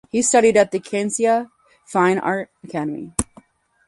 He studied at the Kansai Fine Art Academy.